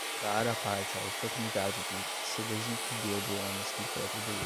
dar à parte a oportunidade de se desincumbir do ônus que lhe foi atribuído.